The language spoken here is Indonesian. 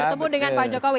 bertemu dengan pak jokowi